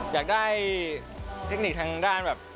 อยากได้เทคนิคทางด้านแบบ